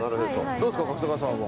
どうですか春日さんは？